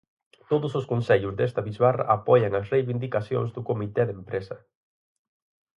Todos os concellos desta bisbarra apoian as reivindicacións do comité de empresa.